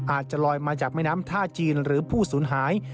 อาจจะลอยมาจากแม่น้ำท่าจีนหรือผู้สูญหาย